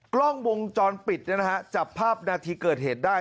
กล้องวงจรปิดจับภาพนาทีเกิดเหตุได้